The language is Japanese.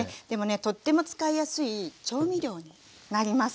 でもねとっても使いやすい調味料になります。